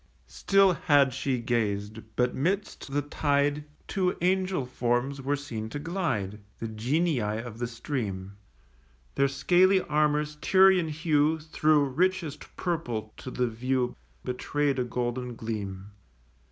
Still had she gazed; but 'midst the tide Two angel forms were seen to glide, The Genii of the stream: Their scaly armour's Tyrian hue Thro' richest purple to the view Betray'd a golden gleam.